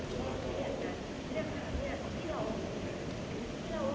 สวัสดีครับสวัสดีครับ